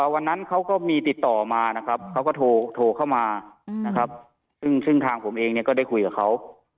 วันนั้นเขาก็มีติดต่อมานะครับเขาก็โทรเข้ามานะครับซึ่งทางผมเองเนี่ยก็ได้คุยกับเขา